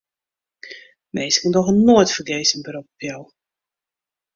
Minsken dogge noait fergees in berop op jo.